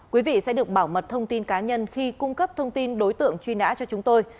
quý vị sẽ được bảo mật thông tin cá nhân khi cung cấp thông tin đối tượng truy nã cho chúng tôi